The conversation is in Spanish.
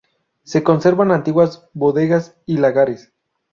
Se conservan antiguas bodegas y lagares.